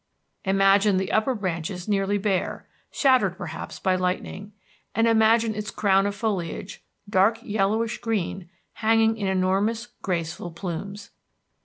Imagine the upper branches nearly bare, shattered perhaps by lightning. And imagine its crown of foliage, dark yellowish green, hanging in enormous graceful plumes.